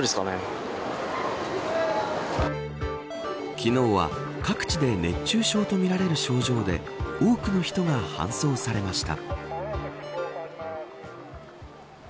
昨日は、各地で熱中症とみられる症状で多くの人が搬送されました。